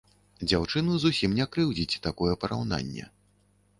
Дзяўчыну зусім не крыўдзіць такое параўнанне.